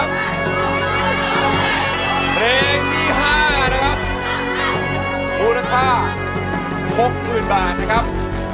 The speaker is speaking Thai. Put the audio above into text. เพลงที่๕นะครับมูลค่า๖๐๐๐บาทนะครับ